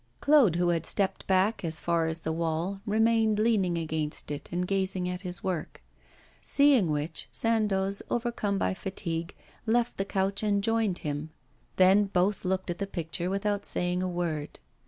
Claude, who had stepped back as far as the wall, remained leaning against it, and gazing at his work. Seeing which, Sandoz, overcome by fatigue, left the couch and joined him. Then both looked at the picture without saying a word.